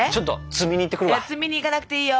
摘みに行かなくていいよ